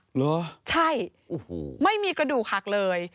เหรอใช่ไม่มีกระดูกหักเลย